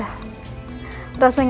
tim beberapa haricenter